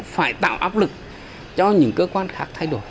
phải tạo áp lực cho những cơ quan khác thay đổi